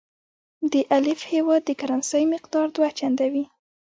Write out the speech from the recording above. د الف هیواد د کرنسۍ مقدار دوه چنده وي.